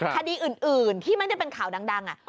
คดีอื่นที่ไม่ได้เป็นข่าวดัง